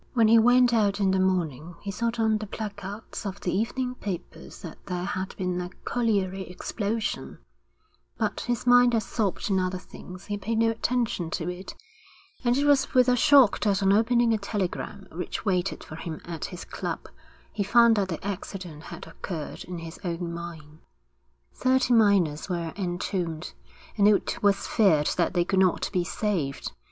When he went out in the morning, he saw on the placards of the evening papers that there had been a colliery explosion, but, his mind absorbed in other things, he paid no attention to it; and it was with a shock that, on opening a telegram which waited for him at his club, he found that the accident had occurred in his own mine. Thirty miners were entombed, and it was feared that they could not be saved.